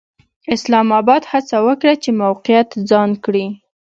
اسلام اباد هڅه وکړه چې موقعیت ځان کړي.